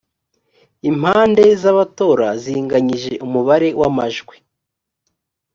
impande z abatora zinganyije umubare w amajwi